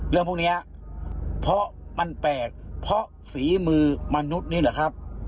เรื่องพวกนี้เพราะมันแปลกเพราะฝีมือมนุษย์นี่แหละครับ